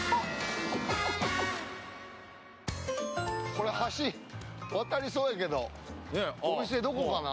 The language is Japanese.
これ橋渡りそうやけどお店どこかな？